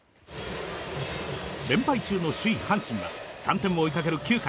連敗中の首位、阪神は３点を追いかける９回。